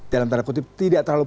dalam tanda kutip tidak terlalu